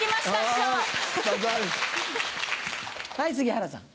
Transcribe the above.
はい杉原さん。